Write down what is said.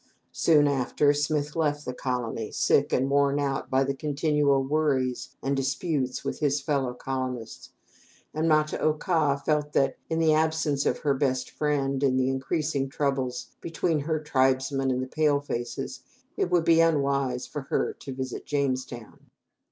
Soon after Smith left the colony, sick and worn out by the continual worries and disputes with his fellow colonists, and Ma ta oka felt that, in the absence of her best friend and the increasing troubles between her tribesmen and the pale faces, it would be unwise for her to visit Jamestown.